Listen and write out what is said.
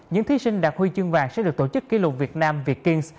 những thí sinh đạt huy chương vàng sẽ được tổ chức kỷ lục việt nam việt kings